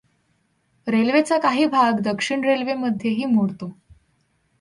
रेल्वेचा काही भाग दक्षिण रेल्वे मध्येही मोडतो.